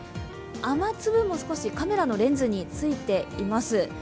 雨粒も少しカメラのレンズについています。